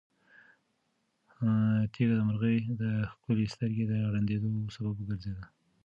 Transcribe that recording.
تیږه د مرغۍ د ښکلې سترګې د ړندېدو سبب وګرځېده.